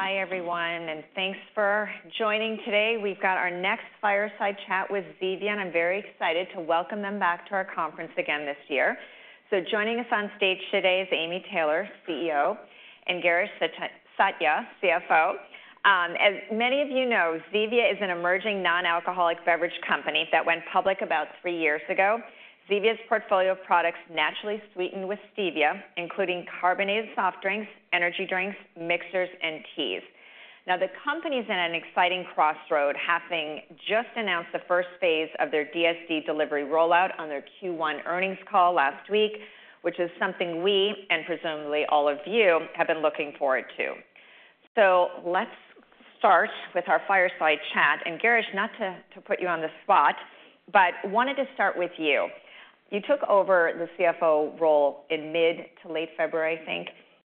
Hi everyone, and thanks for joining today. We've got our next Fireside Chat with Zevia, and I'm very excited to welcome them back to our conference again this year. So joining us on stage today is Amy Taylor, CEO, and Girish Satya, CFO. As many of you know, Zevia is an emerging non-alcoholic beverage company that went public about three years ago. Zevia's portfolio of products naturally sweetened with stevia, including carbonated soft drinks, energy drinks, mixers, and teas. Now, the company's at an exciting crossroads, having just announced the first phase of their DSD delivery rollout on their Q1 earnings call last week, which is something we and presumably all of you have been looking forward to. So let's start with our Fireside Chat, and Girish, not to put you on the spot, but wanted to start with you. You took over the CFO role in mid to late February, I think.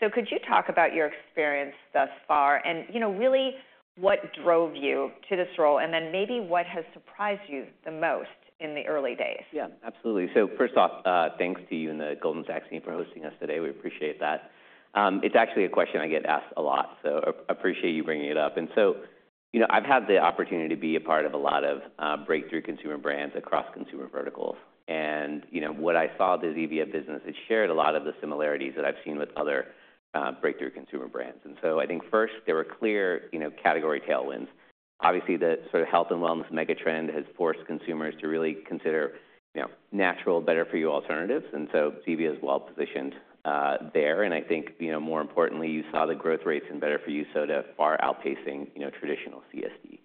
So could you talk about your experience thus far and, you know, really what drove you to this role, and then maybe what has surprised you the most in the early days? Yeah, absolutely. So first off, thanks to you and the Goldman Sachs team for hosting us today. We appreciate that. It's actually a question I get asked a lot, so I appreciate you bringing it up. And so, you know, I've had the opportunity to be a part of a lot of breakthrough consumer brands across consumer verticals. And, you know, what I saw with the Zevia business is it shared a lot of the similarities that I've seen with other breakthrough consumer brands. And so I think first there were clear, you know, category tailwinds. Obviously, the sort of health and wellness mega trend has forced consumers to really consider, you know, natural, better-for-you alternatives. And so Zevia is well-positioned there. And I think, you know, more importantly, you saw the growth rates in better-for-you soda far outpacing, you know, traditional CSD.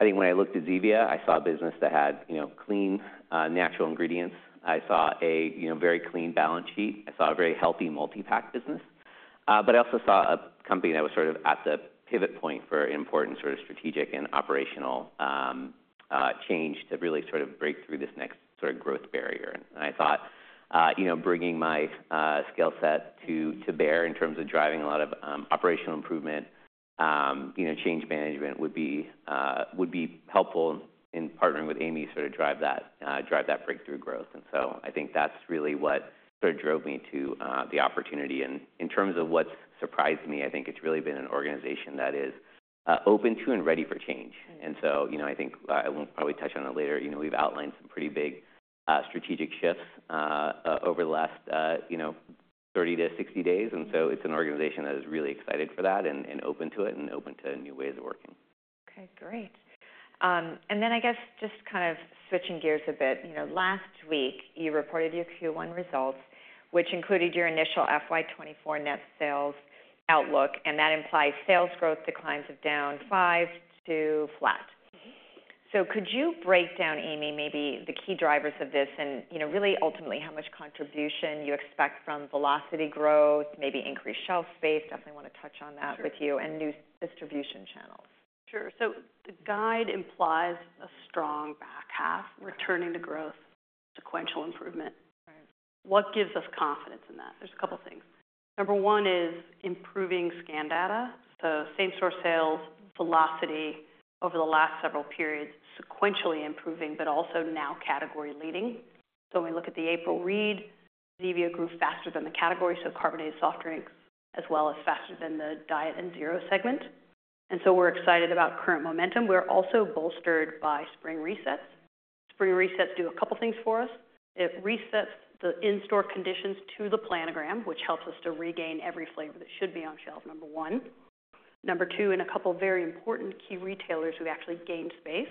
I think when I looked at Zevia, I saw a business that had, you know, clean, natural ingredients. I saw a, you know, very clean balance sheet. I saw a very healthy multi-pack business. But I also saw a company that was sort of at the pivot point for an important sort of strategic and operational change to really sort of break through this next sort of growth barrier. And I thought, you know, bringing my skill set to bear in terms of driving a lot of operational improvement, you know, change management would be helpful in partnering with Amy to sort of drive that breakthrough growth. And so I think that's really what sort of drove me to the opportunity. And in terms of what's surprised me, I think it's really been an organization that is open to and ready for change. And so, you know, I think I won't probably touch on it later. You know, we've outlined some pretty big strategic shifts over the last, you know, 30-60 days. And so it's an organization that is really excited for that and open to it and open to new ways of working. Okay, great. And then I guess just kind of switching gears a bit, you know, last week you reported your Q1 results, which included your initial FY2024 net sales outlook, and that implies sales growth declines of down 5% to flat. So could you break down, Amy, maybe the key drivers of this and, you know, really ultimately how much contribution you expect from velocity growth, maybe increased shelf space, definitely want to touch on that with you, and new distribution channels? Sure. So the guide implies a strong back half, returning to growth, sequential improvement. What gives us confidence in that? There's a couple of things. Number 1 is improving scan data. So same source sales, velocity over the last several periods, sequentially improving, but also now category leading. So when we look at the April read, Zevia grew faster than the category, so carbonated soft drinks as well as faster than the diet and zero segment. And so we're excited about current momentum. We're also bolstered by spring resets. Spring resets do a couple of things for us. It resets the in-store conditions to the planogram, which helps us to regain every flavor that should be on shelf, number 1. Number 2, in a couple of very important key retailers, we actually gained space.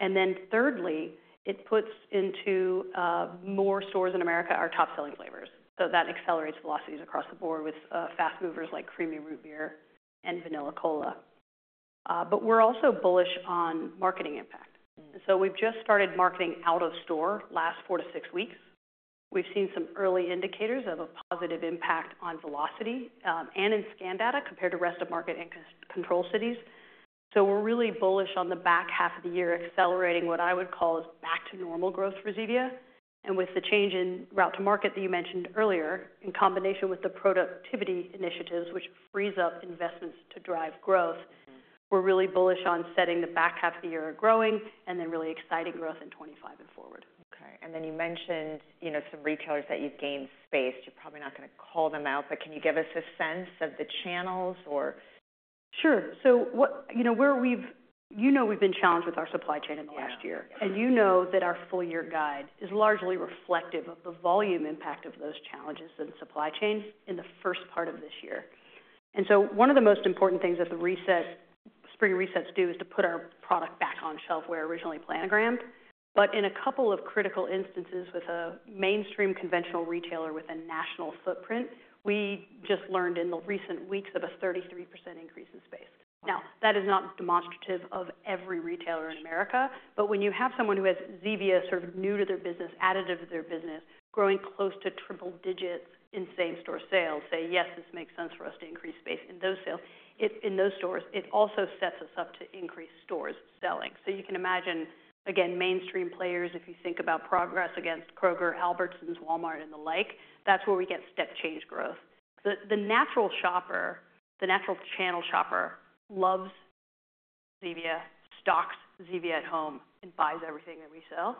And then thirdly, it puts into more stores in America our top-selling flavors. So that accelerates velocities across the board with fast movers like Creamy Root Beer and Vanilla Cola. But we're also bullish on marketing impact. And so we've just started marketing out of store last 4-6 weeks. We've seen some early indicators of a positive impact on velocity, and in scan data compared to rest of market and control cities. So we're really bullish on the back half of the year, accelerating what I would call as back-to-normal growth for Zevia. And with the change in route to market that you mentioned earlier, in combination with the productivity initiatives, which freeze up investments to drive growth, we're really bullish on setting the back half of the year growing and then really exciting growth in 2025 and forward. Okay. And then you mentioned, you know, some retailers that you've gained space. You're probably not going to call them out, but can you give us a sense of the channels or? Sure. So what, you know, where we've you know we've been challenged with our supply chain in the last year, and you know that our full-year guide is largely reflective of the volume impact of those challenges in supply chain in the first part of this year. And so one of the most important things that the resets, spring resets do is to put our product back on shelf where it originally planogrammed. But in a couple of critical instances with a mainstream conventional retailer with a national footprint, we just learned in the recent weeks of a 33% increase in space. Now, that is not demonstrative of every retailer in America, but when you have someone who has Zevia sort of new to their business, added to their business, growing close to triple digits in same-store sales, say, "Yes, this makes sense for us to increase space in those sales," it, in those stores, it also sets us up to increase stores selling. So you can imagine, again, mainstream players, if you think about progress against Kroger, Albertsons, Walmart, and the like, that's where we get step-change growth. The natural shopper, the natural channel shopper loves Zevia, stocks Zevia at home, and buys everything that we sell.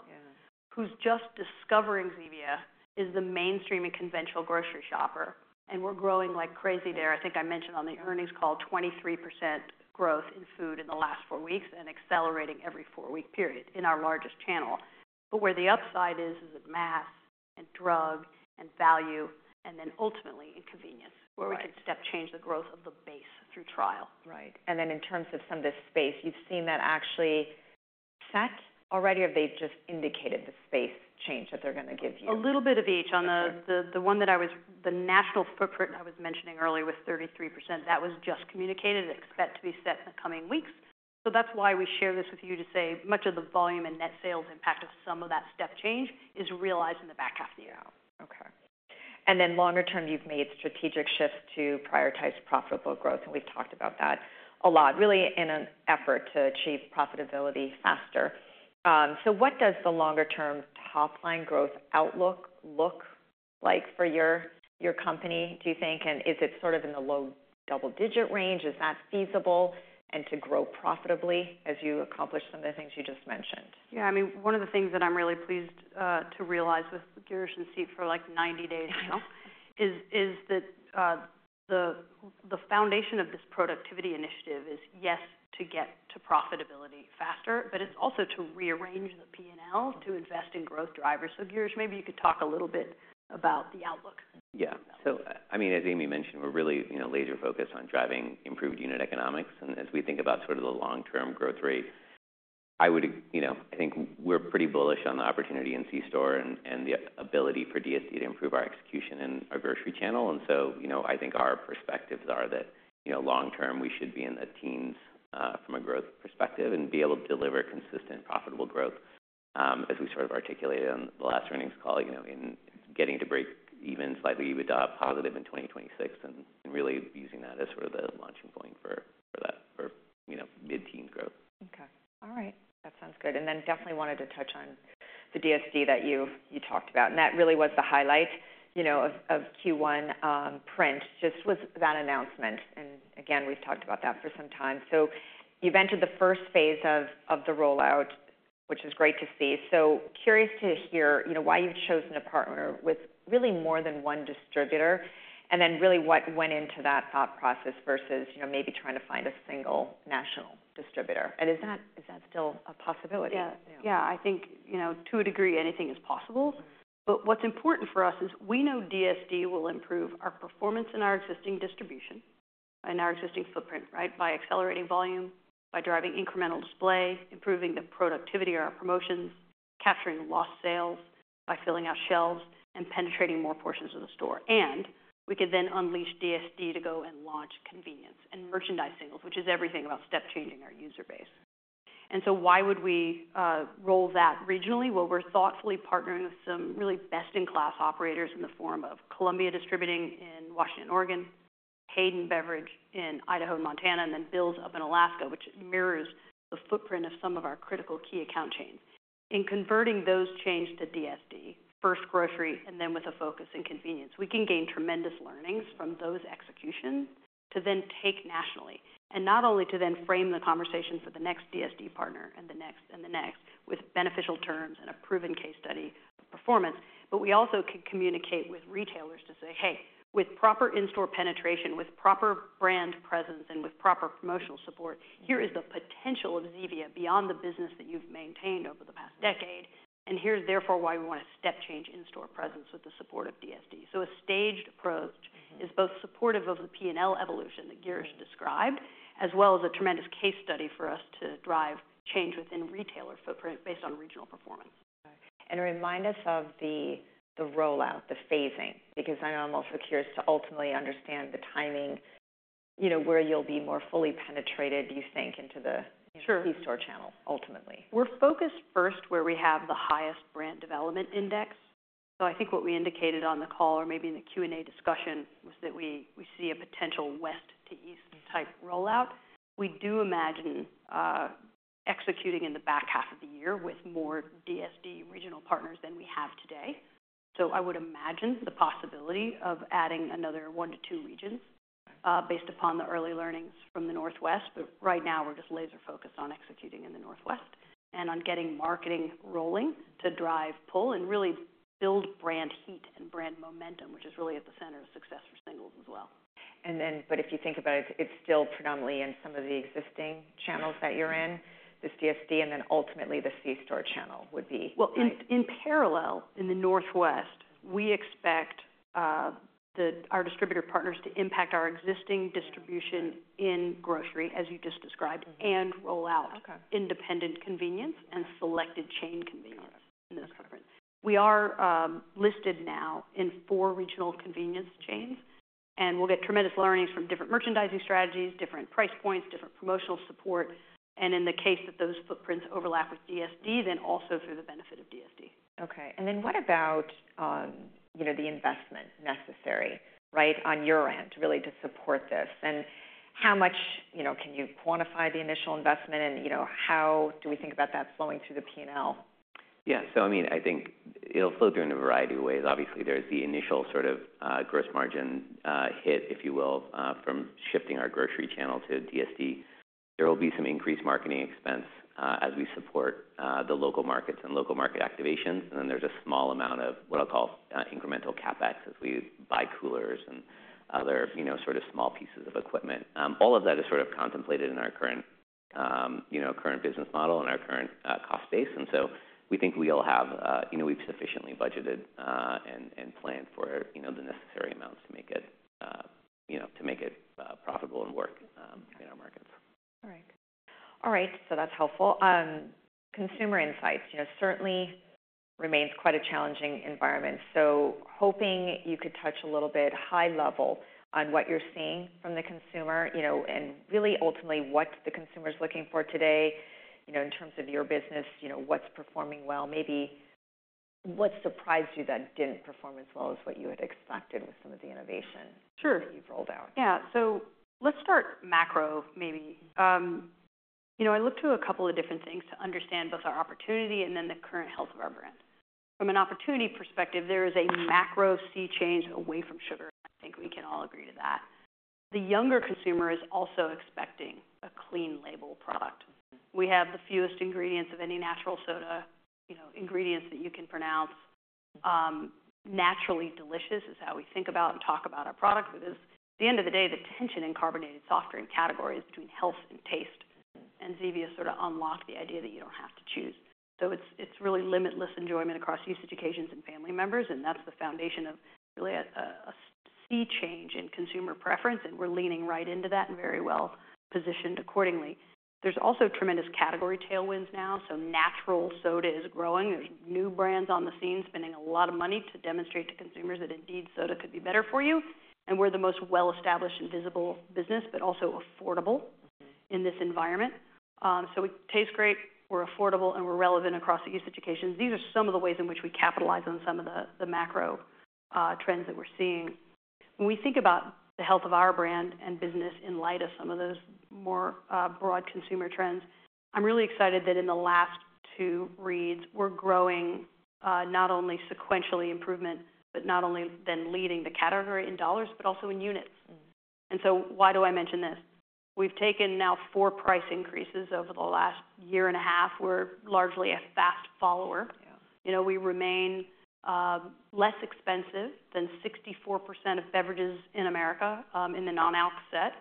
Who’s just discovering Zevia is the mainstream and conventional grocery shopper. And we're growing like crazy there. I think I mentioned on the earnings call 23% growth in food in the last 4 weeks and accelerating every 4-week period in our largest channel. But where the upside is, is at mass and drug and value and then ultimately in convenience, where we can step-change the growth of the base through trial. Right. And then in terms of some of this space, you've seen that actually set already, or have they just indicated the space change that they're going to give you? A little bit of each. On the one that I was the national footprint I was mentioning earlier with 33%, that was just communicated. It's expected to be set in the coming weeks. So that's why we share this with you, to say much of the volume and net sales impact of some of that step-change is realized in the back half of the year. Yeah, okay. And then longer term, you've made strategic shifts to prioritize profitable growth, and we've talked about that a lot, really in an effort to achieve profitability faster. So what does the longer-term top-line growth outlook look like for your company, do you think? And is it sort of in the low double-digit range? Is that feasible and to grow profitably as you accomplish some of the things you just mentioned? Yeah, I mean, one of the things that I'm really pleased to realize with Girish and Sethfor like 90 days now is that, the foundation of this productivity initiative is, yes, to get to profitability faster, but it's also to rearrange the P&L to invest in growth drivers. So Girish, maybe you could talk a little bit about the outlook. Yeah. So, I mean, as Amy mentioned, we're really, you know, laser-focused on driving improved unit economics. And as we think about sort of the long-term growth rate, I would, you know, I think we're pretty bullish on the opportunity in C-store and the ability for DSD to improve our execution in our grocery channel. And so, you know, I think our perspectives are that, you know, long-term we should be in the teens, from a growth perspective and be able to deliver consistent profitable growth, as we sort of articulated on the last earnings call, you know, in getting to break even slightly positive in 2026 and really using that as sort of the launching point for that, for, you know, mid-teens growth. Okay. All right. That sounds good. Then definitely wanted to touch on the DSD that you talked about. That really was the highlight, you know, of Q1 print; just was that announcement. Again, we've talked about that for some time. So you've entered the first phase of the rollout, which is great to see. Curious to hear, you know, why you've chosen a partner with really more than one distributor and then really what went into that thought process versus, you know, maybe trying to find a single national distributor. Is that still a possibility? Yeah. Yeah, I think, you know, to a degree, anything is possible. But what's important for us is we know DSD will improve our performance in our existing distribution and our existing footprint, right, by accelerating volume, by driving incremental display, improving the productivity of our promotions, capturing lost sales by filling out shelves, and penetrating more portions of the store. And we could then unleash DSD to go and launch convenience and merchandise sales, which is everything about step-changing our user base. And so why would we roll that regionally? Well, we're thoughtfully partnering with some really best-in-class operators in the form of Columbia Distributing in Washington, Oregon, Hayden Beverage in Idaho and Montana, and then Bill's up in Alaska, which mirrors the footprint of some of our critical key account chains. In converting those chains to DSD, first grocery and then with a focus in convenience, we can gain tremendous learnings from those executions to then take nationally. And not only to then frame the conversation for the next DSD partner and the next and the next with beneficial terms and a proven case study of performance, but we also can communicate with retailers to say, "Hey, with proper in-store penetration, with proper brand presence, and with proper promotional support, here is the potential of Zevia beyond the business that you've maintained over the past decade. And here's therefore why we want to step-change in-store presence with the support of DSD." So a staged approach is both supportive of the P&L evolution that Girish described as well as a tremendous case study for us to drive change within retailer footprint based on regional performance. Okay. Remind us of the rollout, the phasing, because I know I'm also curious to ultimately understand the timing, you know, where you'll be more fully penetrated, do you think, into the C-store channel ultimately? Sure. We're focused first where we have the highest Brand Development Index. So I think what we indicated on the call or maybe in the Q&A discussion was that we see a potential west-to-east type rollout. We do imagine executing in the back half of the year with more DSD regional partners than we have today. So I would imagine the possibility of adding another 1-2 regions, based upon the early learnings from the Northwest. But right now we're just laser-focused on executing in the Northwest and on getting marketing rolling to drive pull and really build brand heat and brand momentum, which is really at the center of success for singles as well. But if you think about it, it's still predominantly in some of the existing channels that you're in, this DSD, and then ultimately the C-store channel would be? Well, in parallel, in the northwest, we expect our distributor partners to impact our existing distribution in grocery, as you just described, and roll out independent convenience and selected chain convenience in those footprints. We are listed now in four regional convenience chains, and we'll get tremendous learnings from different merchandising strategies, different price points, different promotional support, and in the case that those footprints overlap with DSD, then also through the benefit of DSD. Okay. And then what about, you know, the investment necessary, right, on your end really to support this? And how much, you know, can you quantify the initial investment, and, you know, how do we think about that flowing through the P&L? Yeah. So, I mean, I think it'll flow through in a variety of ways. Obviously, there's the initial sort of gross margin hit, if you will, from shifting our grocery channel to DSD. There will be some increased marketing expense as we support the local markets and local market activations. And then there's a small amount of what I'll call incremental CapEx as we buy coolers and other, you know, sort of small pieces of equipment. All of that is sort of contemplated in our current, you know, current business model and our current cost base. And so we think we'll have, you know, we've sufficiently budgeted and planned for, you know, the necessary amounts to make it, you know, to make it profitable and work in our markets. All right. All right. So that's helpful. Consumer insights, you know, certainly remains quite a challenging environment. So hoping you could touch a little bit high-level on what you're seeing from the consumer, you know, and really ultimately what the consumer's looking for today, you know, in terms of your business, you know, what's performing well, maybe what surprised you that didn't perform as well as what you had expected with some of the innovation that you've rolled out. Sure. Yeah. So let's start macro maybe. You know, I looked through a couple of different things to understand both our opportunity and then the current health of our brand. From an opportunity perspective, there is a macro sea change away from sugar. I think we can all agree to that. The younger consumer is also expecting a clean label product. We have the fewest ingredients of any natural soda, you know, ingredients that you can pronounce. Naturally delicious is how we think about and talk about our product because at the end of the day, the tension in carbonated soft drink categories between health and taste. And Zevia sort of unlocked the idea that you don't have to choose. So it's really limitless enjoyment across usage occasions and family members. And that's the foundation of really a sea change in consumer preference. We're leaning right into that and very well positioned accordingly. There's also tremendous category tailwinds now. Natural soda is growing. There's new brands on the scene spending a lot of money to demonstrate to consumers that indeed soda could be better for you. We're the most well-established and visible business but also affordable in this environment. It tastes great. We're affordable, and we're relevant across the usage occasions. These are some of the ways in which we capitalize on some of the macro trends that we're seeing. When we think about the health of our brand and business in light of some of those more broad consumer trends, I'm really excited that in the last two reads, we're growing not only sequential improvement but also leading the category in dollars but also in units. Why do I mention this? We've taken now 4 price increases over the last year and a half. We're largely a fast follower. You know, we remain less expensive than 64% of beverages in America in the non-alc set.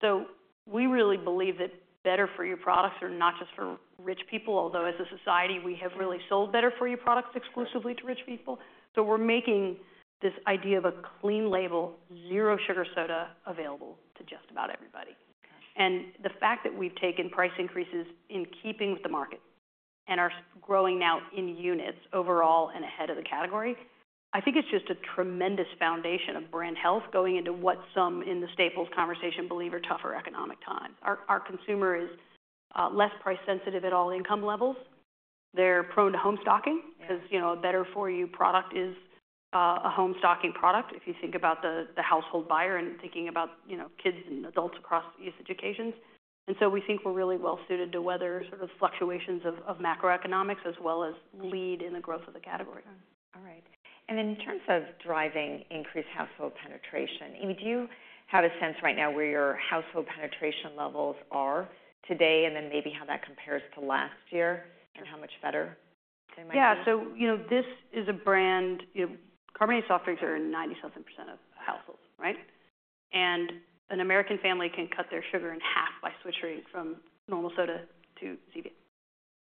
So we really believe that better-for-you products are not just for rich people, although as a society, we have really sold better-for-you products exclusively to rich people. So we're making this idea of a clean label, zero sugar soda available to just about everybody. And the fact that we've taken price increases in keeping with the market and are growing now in units overall and ahead of the category, I think it's just a tremendous foundation of brand health going into what some in the staples conversation believe are tougher economic times. Our consumer is less price-sensitive at all income levels. They're prone to home stocking because, you know, a better-for-you product is a home stocking product if you think about the household buyer and thinking about, you know, kids and adults across use occasions. And so we think we're really well-suited to weather sort of macroeconomic fluctuations as well as lead in the growth of the category. All right. And then in terms of driving increased household penetration, Amy, do you have a sense right now where your household penetration levels are today and then maybe how that compares to last year and how much better they might be? Yeah. So, you know, this is a brand carbonated soft drinks are in 90-something% of households, right? And an American family can cut their sugar in half by switching from normal soda to Zevia.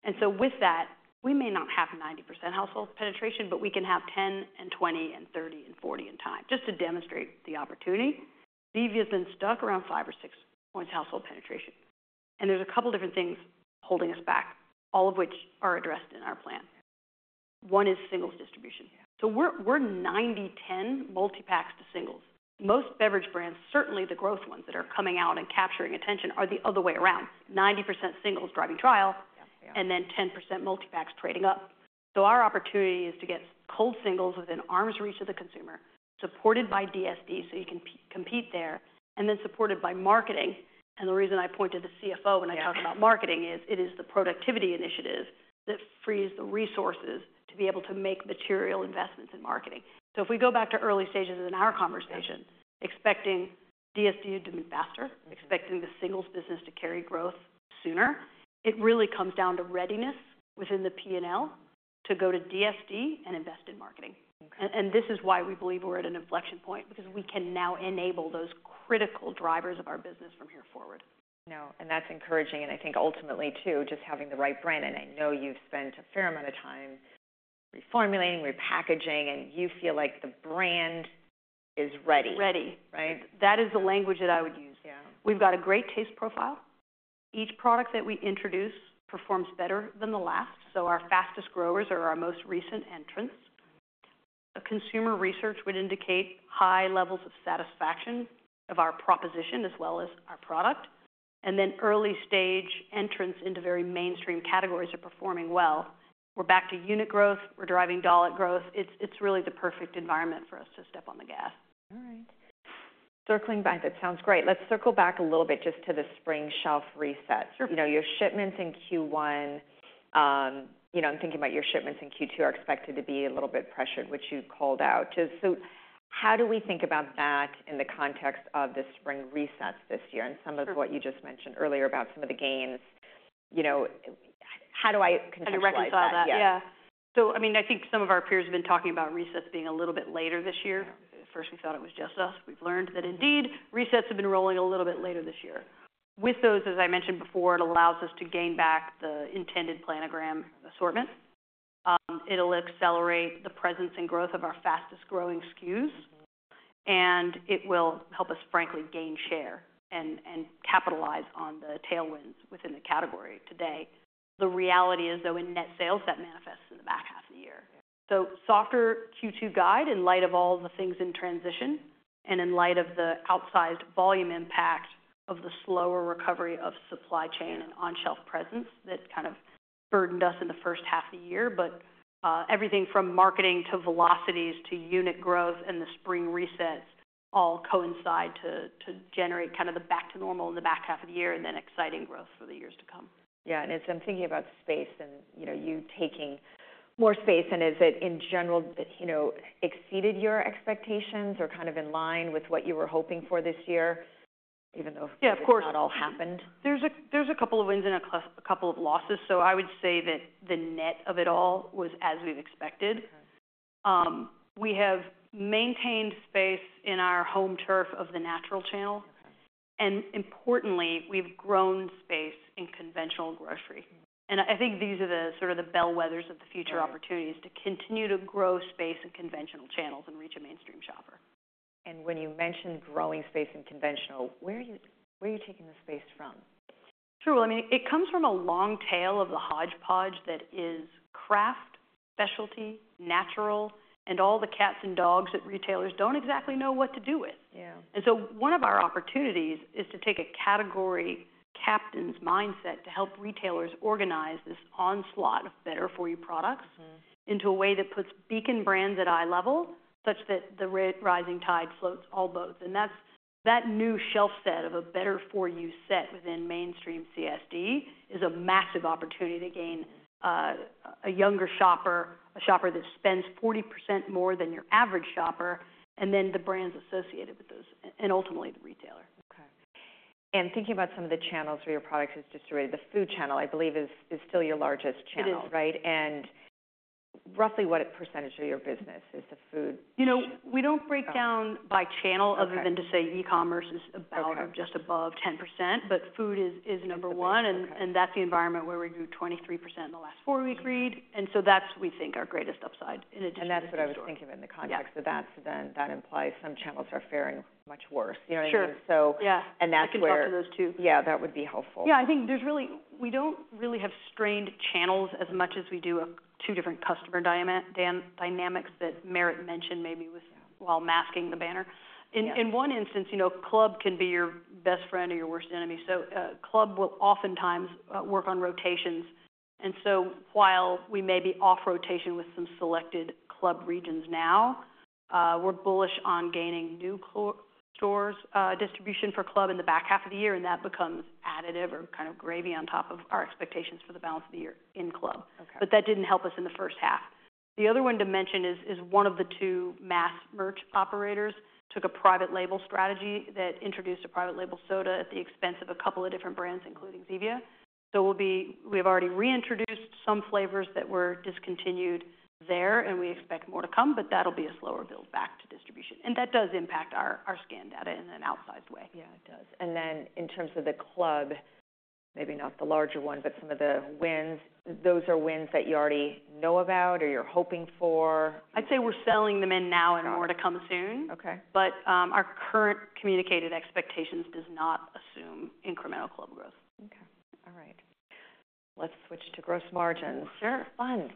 And so with that, we may not have 90% household penetration, but we can have 10 and 20 and 30 and 40 in time, just to demonstrate the opportunity. Zevia's been stuck around 5 or 6 points of household penetration. And there's a couple of different things holding us back, all of which are addressed in our plan. One is singles distribution. So we're 90/10 multi-packs to singles. Most beverage brands, certainly the growth ones that are coming out and capturing attention, are the other way around, 90% singles driving trial and then 10% multi-packs trading up. Our opportunity is to get cold singles within arm's reach of the consumer, supported by DSD so you can compete there, and then supported by marketing. The reason I pointed to the CFO when I talk about marketing is it is the productivity initiative that frees the resources to be able to make material investments in marketing. If we go back to early stages in our conversation, expecting DSD to move faster, expecting the singles business to carry growth sooner, it really comes down to readiness within the P&L to go to DSD and invest in marketing. This is why we believe we're at an inflection point because we can now enable those critical drivers of our business from here forward. No. That's encouraging. I think ultimately too, just having the right brand. I know you've spent a fair amount of time reformulating, repackaging, and you feel like the brand is ready. Ready. That is the language that I would use. We've got a great taste profile. Each product that we introduce performs better than the last. So our fastest growers are our most recent entrants. Consumer research would indicate high levels of satisfaction of our proposition as well as our product. And then early-stage entrants into very mainstream categories are performing well. We're back to unit growth. We're driving dollar growth. It's really the perfect environment for us to step on the gas. All right. Circling back, that sounds great. Let's circle back a little bit just to the spring shelf reset. You know, your shipments in Q1, you know, I'm thinking about your shipments in Q2 are expected to be a little bit pressured, which you called out. So how do we think about that in the context of the spring resets this year and some of what you just mentioned earlier about some of the gains? You know, how do I contextualize that? I rectify that. Yeah. So, I mean, I think some of our peers have been talking about resets being a little bit later this year. At first, we thought it was just us. We've learned that indeed resets have been rolling a little bit later this year. With those, as I mentioned before, it allows us to gain back the intended planogram assortment. It'll accelerate the presence and growth of our fastest growing SKUs. And it will help us, frankly, gain share and capitalize on the tailwinds within the category today. The reality is though in net sales that manifests in the back half of the year. So softer Q2 guide in light of all the things in transition and in light of the outsized volume impact of the slower recovery of supply chain and on-shelf presence that kind of burdened us in the first half of the year. But everything from marketing to velocities to unit growth and the spring resets all coincide to generate kind of the back to normal in the back half of the year and then exciting growth for the years to come. Yeah. And as I'm thinking about space and, you know, you taking more space, and is it in general that, you know, exceeded your expectations or kind of in line with what you were hoping for this year, even though not all happened? Yeah, of course. There's a couple of wins and a couple of losses. So I would say that the net of it all was as we've expected. We have maintained space in our home turf of the natural channel. And importantly, we've grown space in conventional grocery. And I think these are the sort of the bellwethers of the future opportunities to continue to grow space in conventional channels and reach a mainstream shopper. When you mentioned growing space in conventional, where are you taking the space from? Sure. Well, I mean, it comes from a long tail of the hodgepodge that is craft, specialty, natural, and all the cats and dogs that retailers don't exactly know what to do with. And so one of our opportunities is to take a category captain's mindset to help retailers organize this onslaught of better-for-you products into a way that puts beacon brands at eye level such that the rising tide floats all boats. And that new shelf set of a better-for-you set within mainstream CSD is a massive opportunity to gain a younger shopper, a shopper that spends 40% more than your average shopper, and then the brands associated with those and ultimately the retailer. Thinking about some of the channels where your product is distributed, the food channel, I believe, is still your largest channel, right? And roughly what percentage of your business is the food? You know, we don't break down by channel other than to say e-commerce is about just above 10%. But food is number one. And that's the environment where we grew 23% in the last four-week read. And so that's, we think, our greatest upside in addition to resources. That's what I was thinking of in the context of that. Then that implies some channels are faring much worse. You know what I mean? And that's where. I can talk to those too. Yeah. That would be helpful. Yeah. I think we don't really have strained channels as much as we do two different customer dynamics that merit mentioned maybe while masking the banner. In one instance, you know, club can be your best friend or your worst enemy. So club will oftentimes work on rotations. And so while we may be off-rotation with some selected club regions now, we're bullish on gaining new stores distribution for club in the back half of the year. And that becomes additive or kind of gravy on top of our expectations for the balance of the year in club. But that didn't help us in the first half. The other one to mention is one of the two mass merch operators took a private label strategy that introduced a private label soda at the expense of a couple of different brands, including Zevia. We've already reintroduced some flavors that were discontinued there. We expect more to come. That'll be a slower buildback to distribution. That does impact our scan data in an outsized way. Yeah. It does. And then in terms of the club, maybe not the larger one, but some of the wins, those are wins that you already know about or you're hoping for? I'd say we're selling them in now and more to come soon. Our current communicated expectations do not assume incremental club growth. All right. Let's switch to gross margins. Sure. Fun.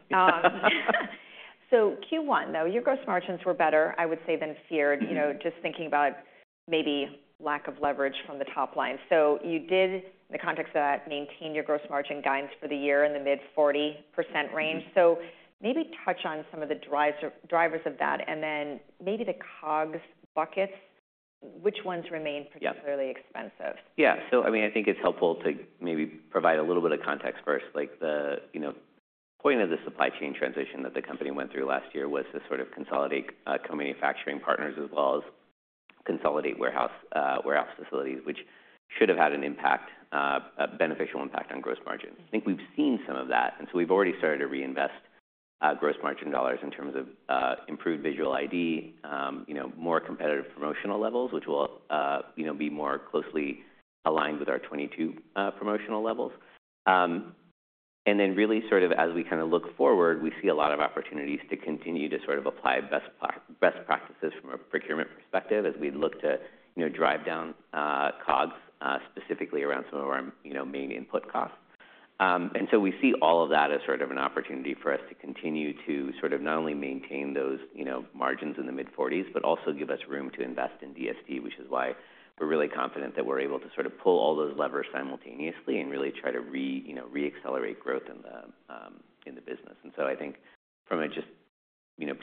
So Q1 though, your gross margins were better, I would say, than feared, you know, just thinking about maybe lack of leverage from the top line. So you did, in the context of that, maintain your gross margin guidance for the year in the mid-40% range. So maybe touch on some of the drivers of that and then maybe the COGS buckets. Which ones remain particularly expensive? Yeah. So, I mean, I think it's helpful to maybe provide a little bit of context first. Like the point of the supply chain transition that the company went through last year was to sort of consolidate co-manufacturing partners as well as consolidate warehouse facilities, which should have had an impact, a beneficial impact on gross margin. I think we've seen some of that. And so we've already started to reinvest gross margin dollars in terms of improved visual ID, more competitive promotional levels, which will be more closely aligned with our 2022 promotional levels. And then really sort of as we kind of look forward, we see a lot of opportunities to continue to sort of apply best practices from a procurement perspective as we look to drive down COGS specifically around some of our main input costs. And so we see all of that as sort of an opportunity for us to continue to sort of not only maintain those margins in the mid-40s but also give us room to invest in DSD, which is why we're really confident that we're able to sort of pull all those levers simultaneously and really try to reaccelerate growth in the business. And so I think from a just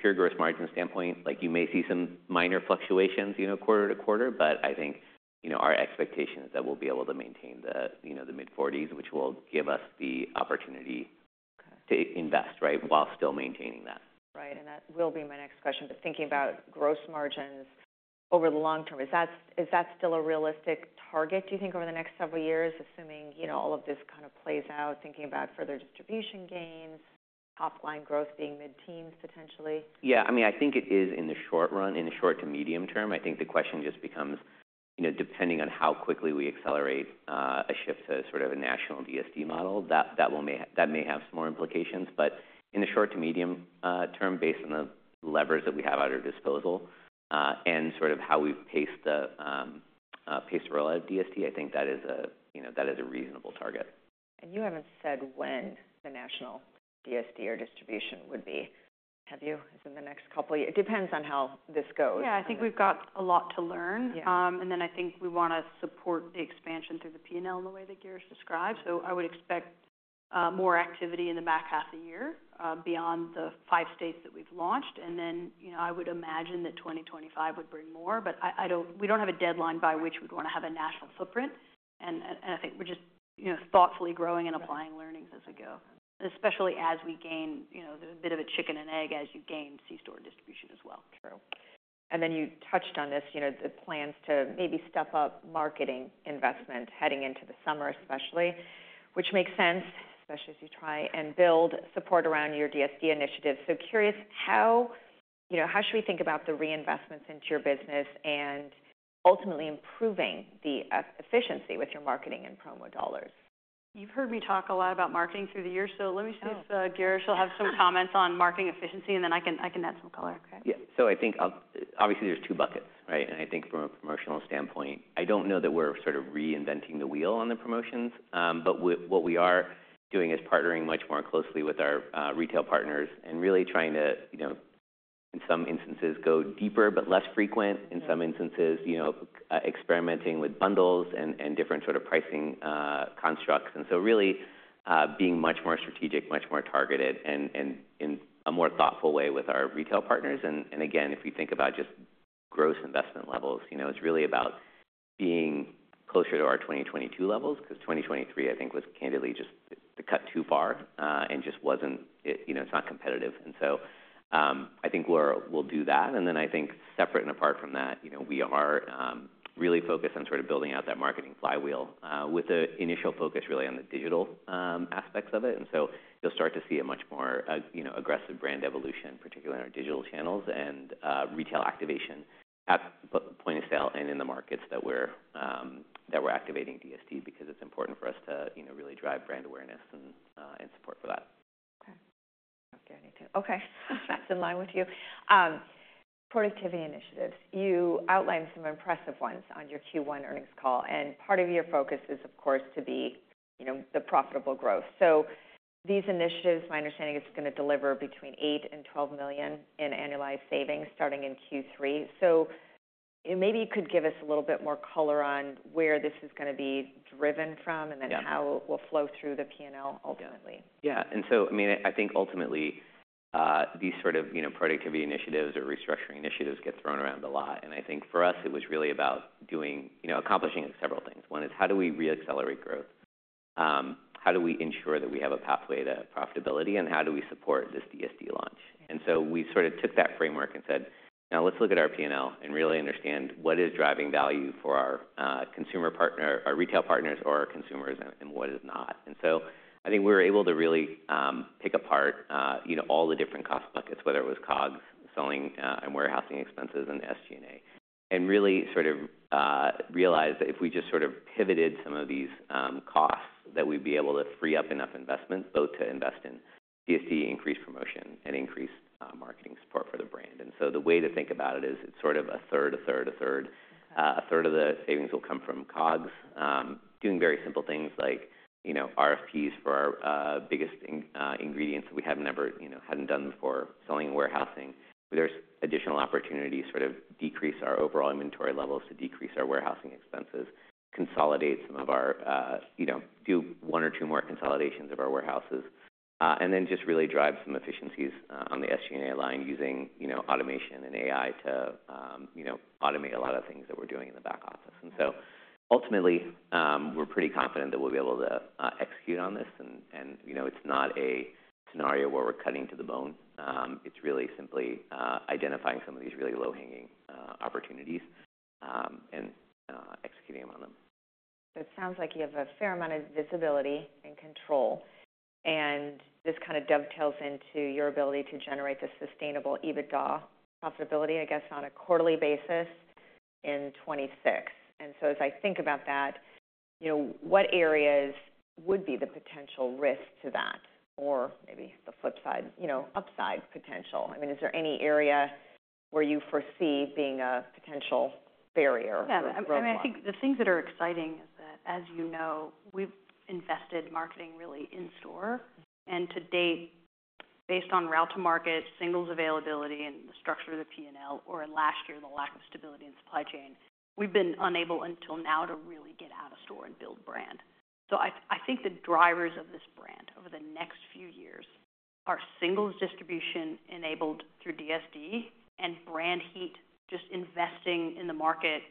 pure gross margin standpoint, like you may see some minor fluctuations quarter to quarter. But I think our expectation is that we'll be able to maintain the mid-40s, which will give us the opportunity to invest, right, while still maintaining that. Right. That will be my next question. But thinking about gross margins over the long term, is that still a realistic target, do you think, over the next several years, assuming all of this kind of plays out, thinking about further distribution gains, top line growth being mid-teens potentially? Yeah. I mean, I think it is in the short run, in the short to medium term. I think the question just becomes, depending on how quickly we accelerate a shift to sort of a national DSD model, that may have some more implications. But in the short to medium term, based on the levers that we have at our disposal and sort of how we've paced the rollout of DSD, I think that is a reasonable target. You haven't said when the national DSD or distribution would be? Have you? Is it in the next couple of years? It depends on how this goes. Yeah. I think we've got a lot to learn. And then I think we want to support the expansion through the P&L in the way that Girish described. So I would expect more activity in the back half of the year beyond the 5 states that we've launched. And then I would imagine that 2025 would bring more. But we don't have a deadline by which we'd want to have a national footprint. And I think we're just thoughtfully growing and applying learnings as we go, especially as we gain there's a bit of a chicken and egg as you gain C-store distribution as well. True. And then you touched on this, the plans to maybe step up marketing investment heading into the summer especially, which makes sense, especially as you try and build support around your DSD initiative. So curious, how should we think about the reinvestments into your business and ultimately improving the efficiency with your marketing and promo dollars? You've heard me talk a lot about marketing through the year. So let me see if Girish will have some comments on marketing efficiency. And then I can add some color. Yeah. So I think obviously there's two buckets, right? And I think from a promotional standpoint, I don't know that we're sort of reinventing the wheel on the promotions. But what we are doing is partnering much more closely with our retail partners and really trying to, in some instances, go deeper but less frequent. In some instances, experimenting with bundles and different sort of pricing constructs. And so really being much more strategic, much more targeted, and in a more thoughtful way with our retail partners. And again, if we think about just gross investment levels, it's really about being closer to our 2022 levels because 2023, I think, was candidly just the cut too far and just wasn't. It's not competitive. And so I think we'll do that. And then I think separate and apart from that, we are really focused on sort of building out that marketing flywheel with an initial focus really on the digital aspects of it. And so you'll start to see a much more aggressive brand evolution, particularly in our digital channels and retail activation at the point of sale and in the markets that we're activating DSD because it's important for us to really drive brand awareness and support for that. Okay. Not scaring me too. Okay. That's in line with you. Productivity initiatives. You outlined some impressive ones on your Q1 earnings call. And part of your focus is, of course, to be the profitable growth. So these initiatives, my understanding, is going to deliver between $8 million and $12 million in annualized savings starting in Q3. So maybe you could give us a little bit more color on where this is going to be driven from and then how it will flow through the P&L ultimately. Yeah. So, I mean, I think ultimately these sort of productivity initiatives or restructuring initiatives get thrown around a lot. I think for us, it was really about accomplishing several things. One is how do we reaccelerate growth? How do we ensure that we have a pathway to profitability? And how do we support this DSD launch? So we sort of took that framework and said, now let's look at our P&L and really understand what is driving value for our consumer partner, our retail partners, or our consumers, and what is not. And so I think we were able to really pick apart all the different cost buckets, whether it was COGS, selling and warehousing expenses, and SG&A, and really sort of realized that if we just sort of pivoted some of these costs, that we'd be able to free up enough investment both to invest in DSD, increased promotion, and increased marketing support for the brand. And so the way to think about it is it's sort of a third, a third, a third. A third of the savings will come from COGS, doing very simple things like RFPs for our biggest ingredients that we hadn't done before, selling and warehousing. There's additional opportunities to sort of decrease our overall inventory levels, to decrease our warehousing expenses, consolidate some of our DCs, do one or two more consolidations of our warehouses, and then just really drive some efficiencies on the SG&A line using automation and AI to automate a lot of things that we're doing in the back office. So ultimately, we're pretty confident that we'll be able to execute on this. It's not a scenario where we're cutting to the bone. It's really simply identifying some of these really low-hanging opportunities and executing on them. So it sounds like you have a fair amount of visibility and control. And this kind of dovetails into your ability to generate the sustainable EBITDA profitability, I guess, on a quarterly basis in 2026. And so as I think about that, what areas would be the potential risk to that or maybe the flip side, upside potential? I mean, is there any area where you foresee being a potential barrier for growth? Yeah. I mean, I think the things that are exciting is that, as you know, we've invested marketing really in store. And to date, based on route to market, singles availability, and the structure of the P&L, or in last year, the lack of stability in supply chain, we've been unable until now to really get out of store and build brand. So I think the drivers of this brand over the next few years are singles distribution enabled through DSD and brand heat, just investing in the market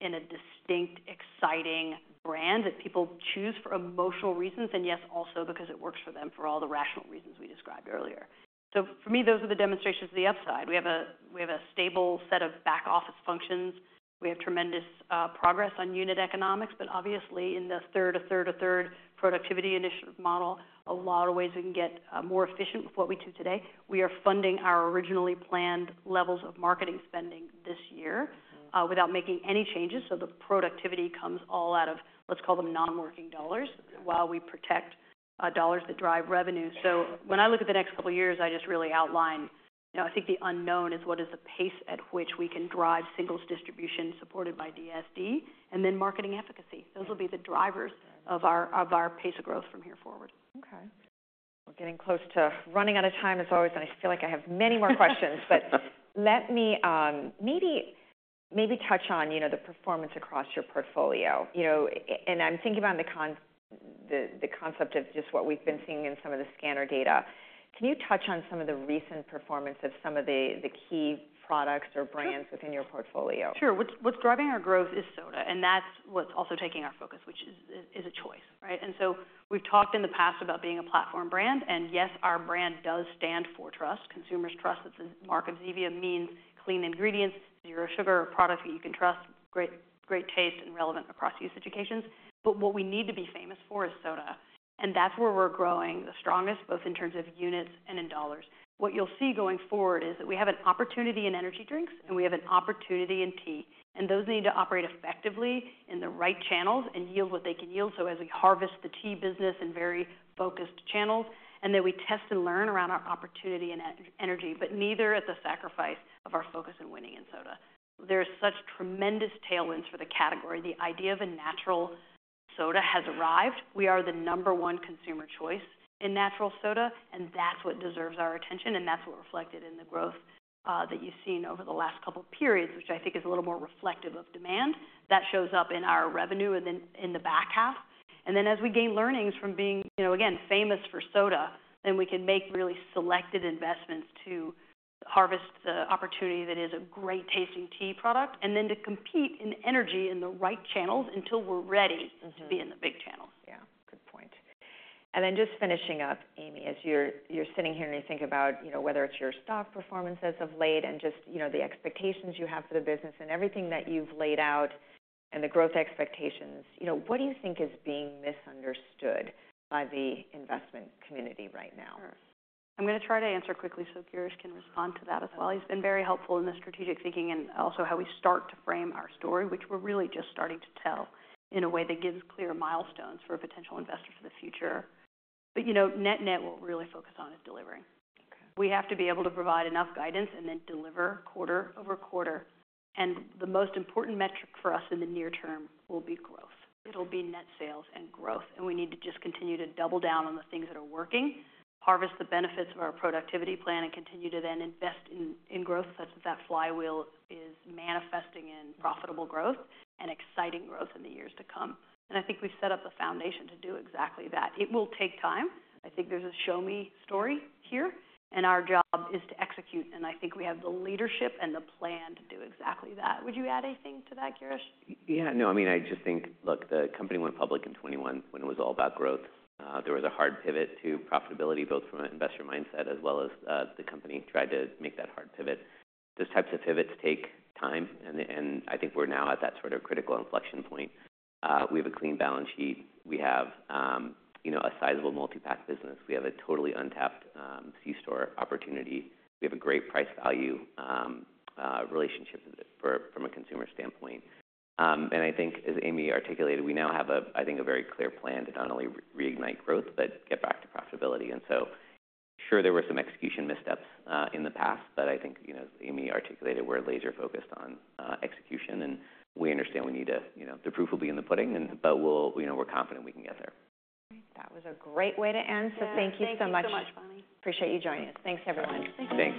in a distinct, exciting brand that people choose for emotional reasons and, yes, also because it works for them for all the rational reasons we described earlier. So for me, those are the demonstrations of the upside. We have a stable set of back office functions. We have tremendous progress on unit economics. But obviously, in the third productivity initiative model, a lot of ways we can get more efficient with what we do today. We are funding our originally planned levels of marketing spending this year without making any changes. So the productivity comes all out of, let's call them, non-working dollars while we protect dollars that drive revenue. So when I look at the next couple of years, I just really outline I think the unknown is what is the pace at which we can drive singles distribution supported by DSD and then marketing efficacy. Those will be the drivers of our pace of growth from here forward. Okay. We're getting close to running out of time as always. I feel like I have many more questions. Let me maybe touch on the performance across your portfolio. I'm thinking about the concept of just what we've been seeing in some of the scan data. Can you touch on some of the recent performance of some of the key products or brands within your portfolio? Sure. What's driving our growth is soda. And that's what's also taking our focus, which is a choice, right? And so we've talked in the past about being a platform brand. And yes, our brand does stand for trust. Consumers trust that the mark of Zevia means clean ingredients, zero sugar, a product that you can trust, great taste, and relevant across use educations. But what we need to be famous for is soda. And that's where we're growing the strongest, both in terms of units and in dollars. What you'll see going forward is that we have an opportunity in energy drinks. And we have an opportunity in tea. And those need to operate effectively in the right channels and yield what they can yield so as we harvest the tea business in very focused channels. And then we test and learn around our opportunity in energy but neither at the sacrifice of our focus in winning in soda. There are such tremendous tailwinds for the category. The idea of a natural soda has arrived. We are the number one consumer choice in natural soda. And that's what deserves our attention. And that's what reflected in the growth that you've seen over the last couple of periods, which I think is a little more reflective of demand. That shows up in our revenue and then in the back half. And then as we gain learnings from being, again, famous for soda, then we can make really selected investments to harvest the opportunity that is a great tasting tea product and then to compete in energy in the right channels until we're ready to be in the big channels. Yeah. Good point. And then just finishing up, Amy, as you're sitting here and you think about whether it's your stock performance as of late and just the expectations you have for the business and everything that you've laid out and the growth expectations, what do you think is being misunderstood by the investment community right now? Sure. I'm going to try to answer quickly so Girish can respond to that as well. He's been very helpful in the strategic thinking and also how we start to frame our story, which we're really just starting to tell in a way that gives clear milestones for a potential investor for the future. But net-net, what we really focus on is delivering. We have to be able to provide enough guidance and then deliver quarter over quarter. And the most important metric for us in the near term will be growth. It'll be net sales and growth. And we need to just continue to double down on the things that are working, harvest the benefits of our productivity plan, and continue to then invest in growth such that that flywheel is manifesting in profitable growth and exciting growth in the years to come. I think we've set up the foundation to do exactly that. It will take time. I think there's a show-me story here. Our job is to execute. I think we have the leadership and the plan to do exactly that. Would you add anything to that, Girish? Yeah. No. I mean, I just think, look, the company went public in 2021 when it was all about growth. There was a hard pivot to profitability both from an investor mindset as well as the company tried to make that hard pivot. Those types of pivots take time. And I think we're now at that sort of critical inflection point. We have a clean balance sheet. We have a sizable multi-pack business. We have a totally untapped C-store opportunity. We have a great price-value relationship from a consumer standpoint. And I think, as Amy articulated, we now have, I think, a very clear plan to not only reignite growth but get back to profitability. And so sure, there were some execution missteps in the past. But I think, as Amy articulated, we're laser-focused on execution. And we understand we need to the proof will be in the pudding. We're confident we can get there. All right. That was a great way to end. So thank you so much. Thank you so much, Bonnie. Appreciate you joining us. Thanks, everyone. Thanks.